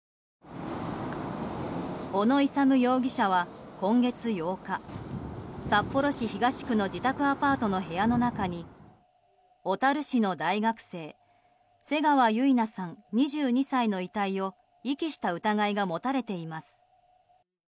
小野勇容疑者は今月８日札幌市東区の自宅アパートの部屋の中に小樽市の大学生瀬川結菜さん、２２歳の遺体を遺棄した疑いが持たれています。